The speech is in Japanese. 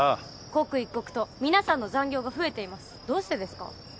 刻一刻と皆さんの残業が増えていますどうしてですか？